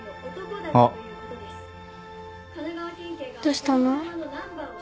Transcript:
どうしたの？